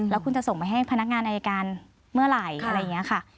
แล้วคุณจะส่งไปให้พนักงานอายการเมื่อไหร่อะไรอย่างนี้ค่ะ